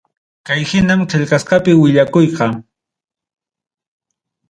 Kay hinam qillqasqapi willakuyqa.